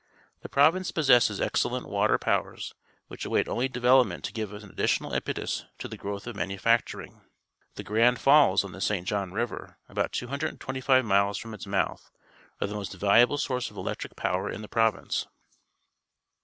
The province possesses excellent water powers, which await only development to give an additional impetus to the growth of manufacturing. The Grand Falls, on the St. John River about 225 miles from its mouth, are the most valuable source of e lect ric power in the province.